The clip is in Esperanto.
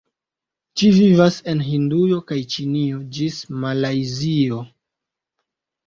Ĝi vivas en Hindujo kaj Ĉinio ĝis Malajzio.